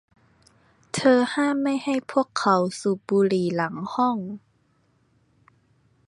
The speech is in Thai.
เธอห้ามไม่ให้พวกเขาสูบบุหรี่หลังห้อง